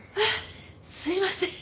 すいません